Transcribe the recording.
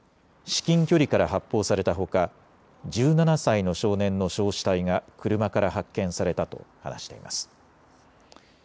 至近距離から発砲されたほか１７歳の少年の焼死体が車から発見されたと話しています。